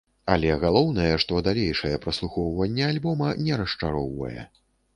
Але галоўнае, што далейшае праслухоўванне альбома не расчароўвае.